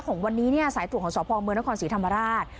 ของวันนี้เนี่ยสายตรวจของสพเมืองนครศรีธรรมราช